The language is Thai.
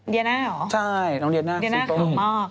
เดียน่าเหรอสีต้มเดียน่าขาวมากอืม